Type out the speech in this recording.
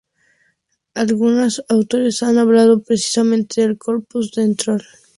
Algunos autores han hablado, precisamente, del corpus doctrinal del republicanismo.